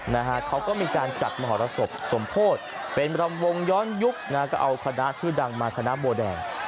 นะฮะเขาก็มีการจัดมหรสบสมโพธิเป็นรำวงย้อนยุคนะฮะก็เอาคณะชื่อดังมาคณะบัวแดง